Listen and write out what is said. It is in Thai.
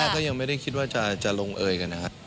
ช่วงคบกันแรกยังไม่ได้คิดว่าจะลงเอ่ยกันนะฮะ